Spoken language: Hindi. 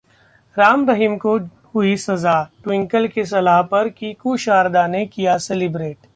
राम रहीम को हुई सजा, टि्वंकल की सलाह पर कीकू शारदा ने किया सेलिब्रेट